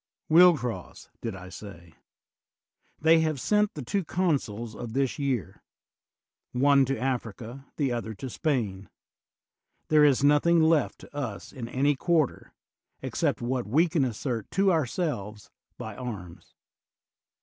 Will cross, did I say? They have sent the two consuls of this year, one to Africa, the other to Spain: there is nothing left to us in any quarter, except what we can assert to our selves by arms.